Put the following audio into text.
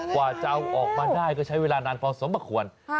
กว่าจะเอาออกมาได้ก็ใช้เวลานานพอสมควร